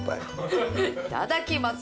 いただきます。